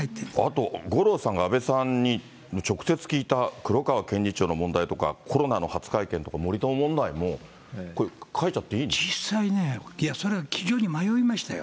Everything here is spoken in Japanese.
あと五郎さんが安倍さんに直接聞いた黒川検事長の問題とか、コロナの初会見とか、森友問題とか、これ、実際ね、いや、それは非常に迷いましたよ。